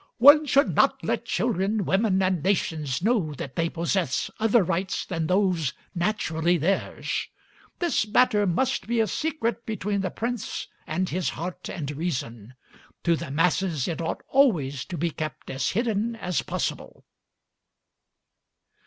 "One should not let children, women, and nations know that they possess other rights than those naturally theirs. This matter must be a secret between the prince and his heart and reason, to the masses it ought always to be kept as hidden as possible."